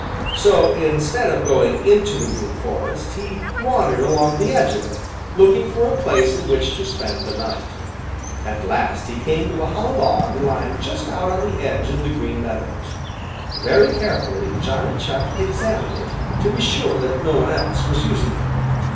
So, instead of going into the Green Forest, he wandered along the edge of it, looking for a place in which to spend the night. At last he came to a hollow log lying just out on the edge of the Green Meadows. Very carefully Johnny Chuck examined it, to be sure that no one else was using it.